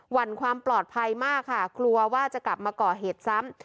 วันความปลอดภัยมากค่ะกลัวว่าจะกลับมาก่อเหตุซ้ำ